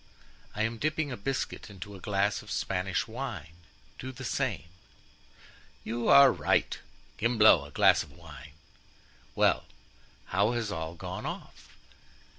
"I am dipping a biscuit in a glass of Spanish wine; do the same." "You are right. Gimblou, a glass of wine." "Well, how has all gone off?"